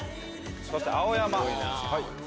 そして青山。